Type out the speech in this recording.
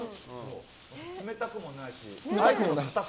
冷たくもないし。